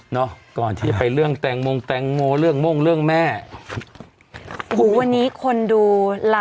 ก่อนที่จะไปเรื่องแตงโมงแตงโมเรื่องโม่งเรื่องแม่หูวันนี้คนดูล่ะ